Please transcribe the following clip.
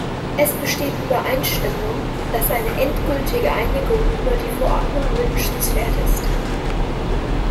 Es besteht Übereinstimmung, dass eine endgültige Einigung über die Verordnung wünschenswert ist.